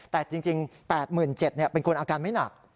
แต่จริง๘๗๐๐เป็นคนอาการไม่หนัก